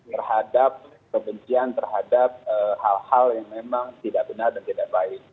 terhadap kebencian terhadap hal hal yang memang tidak benar dan tidak baik